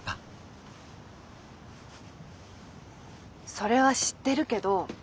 それは知ってるけど。